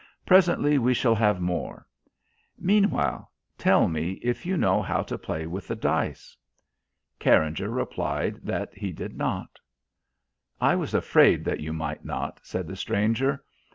"Presently we shall have more. Meanwhile, tell me if you know how to play with the dice." Carringer replied that he did not. "I was afraid that you might not," said the stranger.